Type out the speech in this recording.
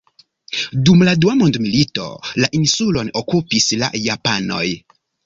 Dum la dua mondmilito, la insulon okupis la japanoj.